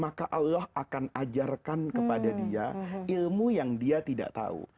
maka allah akan ajarkan kepada dia ilmu yang dia tidak tahu